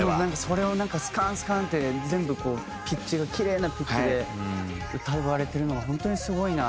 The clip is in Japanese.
それをスカンスカンって全部こうピッチがキレイなピッチで歌われてるのが本当にすごいなって。